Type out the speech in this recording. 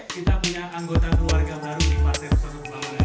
kita punya anggota keluarga baru di partai pesawat bangunan